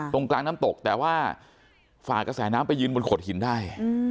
ตรงกลางน้ำตกแต่ว่าฝ่ากระแสน้ำไปยืนบนโขดหินได้